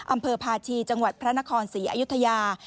อำเภอพาชีจังหวัดพระนครศรีอยุธยา